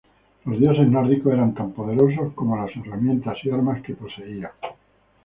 Los dioses nórdicos eran tan poderosos como las herramientas y armas que poseían.